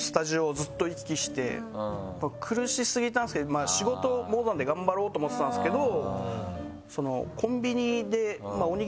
苦しすぎたんですけど仕事モードなので頑張ろうと思ってたんですけど。